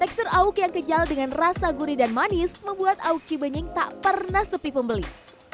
tekstur awuk yang kejal dengan rasa gurih dan manis membuat awuk cibenying tak pernah sepi pembeli